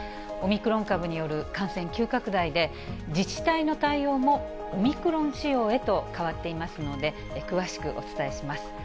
オミクロン株による感染急拡大で、自治体の対応もオミクロン仕様へと変わっていますので、詳しくお伝えします。